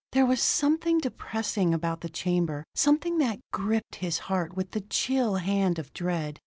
There was something depressing about the chamber, something that gripped his heart with the chill hand of dread.